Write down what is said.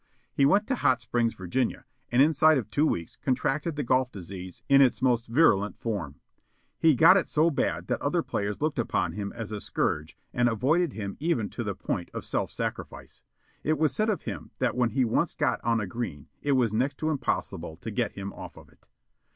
He went to Hot Springs, Virginia, and inside of two weeks contracted the golf disease in its most virulent form. He got it so bad that other players looked upon him as a scourge and avoided him even to the point of self sacrifice. It was said of him that when he once got on a green it was next to impossible to get him off of it.